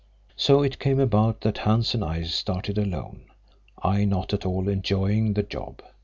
So it came about that Hans and I started alone, I not at all enjoying the job.